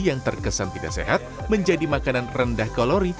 yang terkesan tidak sehat menjadi makanan rendah kalori